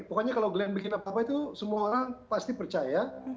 pokoknya kalau glenn bikin apa apa itu semua orang pasti percaya